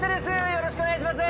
よろしくお願いします！